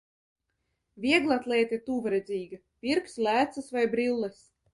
Vieglatlēte tuvredzīga, pirks lēcas vai brilles.